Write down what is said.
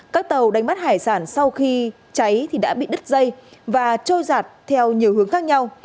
các tàu đánh bắt hải sản sau khi cháy thì đã bị đứt dây và trôi giạt theo nhiều hướng khác nhau